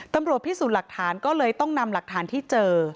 ตำรวจพิสูจน์หลักฐานก็เลยต้องนำหลักฐานที่เจอ